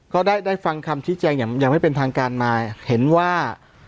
ก็ได้ได้ฟังคำชี้แจงอย่างยังไม่เป็นทางการมาเห็นว่า